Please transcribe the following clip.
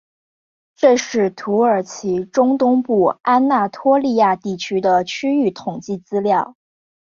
这是土耳其中东部安那托利亚地区的区域统计资料。